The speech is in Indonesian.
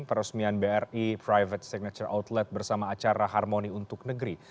peresmian bri private signature outlet bersama acara harmoni untuk negeri